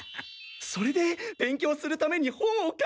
それで勉強するために本を借りに？